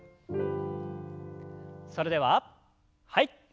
それでははい。